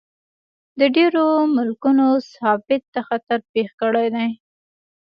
د ډېرو ملکونو ثبات ته خطر پېښ کړی دی.